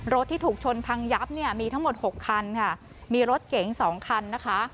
ที่ถูกชนพังยับเนี่ยมีทั้งหมดหกคันค่ะมีรถเก๋งสองคันนะคะ